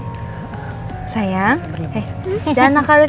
kamu apa sih